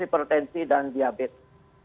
hipertensi dan diabetes